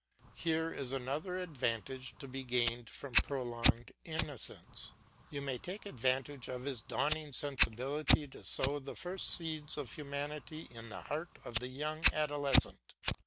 Here is another advantage to be gained from prolonged innocence; you may take advantage of his dawning sensibility to sow the first seeds of humanity in the heart of the young adolescent.